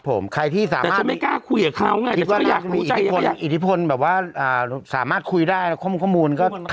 ให้เราเอามาดู